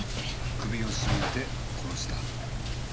首を絞めて殺した？